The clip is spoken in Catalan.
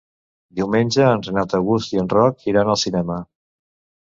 Diumenge en Renat August i en Roc iran al cinema.